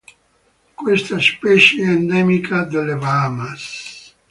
Questa specie è endemica delle Bahamas.